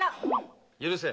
許せ。